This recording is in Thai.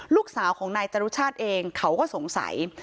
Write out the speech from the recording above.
ลูกสาวของนายจรุชาติเองเขาก็สงสัย